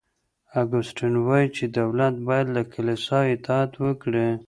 اګوستين وايي چي دولت بايد له کليسا اطاعت وکړي.